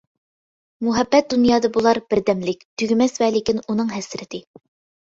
مۇھەببەت دۇنيادا بولار بىردەملىك، تۈگىمەس ۋە لېكىن ئۇنىڭ ھەسرىتى.